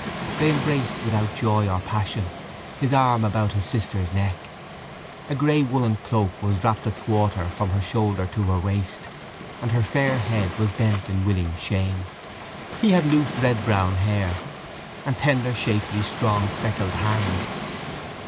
They embraced without joy or passion, his arm about his sister's neck. A grey woollen cloak was wrapped athwart her from her shoulder to her waist and her fair head was bent in willing shame. He had loose redbrown hair and tender shapely strong freckled hands.